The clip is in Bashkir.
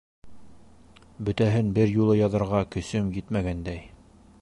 Бөтәһен бер юлы яҙырға көсөм етмәгәндәй.